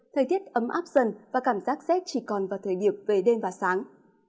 thời tiết ấm áp dần và cảm giác rét chỉ còn vào thời điểm về đêm và sáng